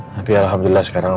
tapi alhamdulillah sekarang